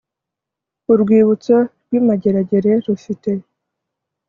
urwibutso rw i mageragere rufite